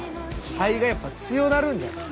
肺がやっぱ強なるんじゃない。